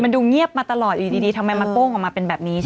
ดูเงียบมาตลอดอยู่ดีทำไมมันโป้งออกมาเป็นแบบนี้ใช่ไหม